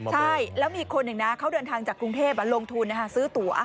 ใช่แล้วมีคนหนึ่งนะเขาเดินทางจากกรุงเทพลงทุนซื้อตั๋ว